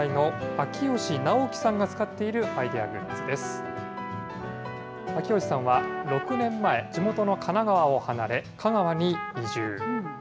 秋吉さんは６年前、地元の神奈川を離れ、香川に移住。